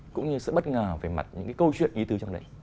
cũng như sự bất ngờ về mặt những cái câu chuyện ý tư trong đấy